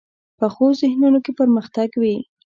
پخو ذهنونو کې پرمختګ وي